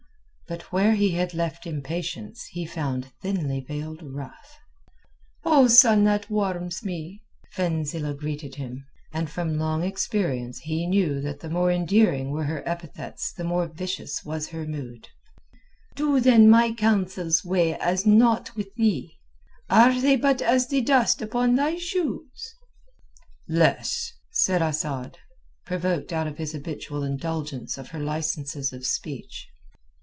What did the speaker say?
But where he had left impatience he found thinly veiled wrath "O sun that warms me," Fenzileh greeted him, and from long experience he knew that the more endearing were her epithets the more vicious was her mood, "do then my counsels weigh as naught with thee, are they but as the dust upon thy shoes?" "Less," said Asad, provoked out of his habitual indulgence of her licences of speech.